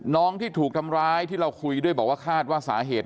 น้องที่ถูกทำร้ายที่เราคุยด้วยบอกว่าคาดว่าสาเหตุ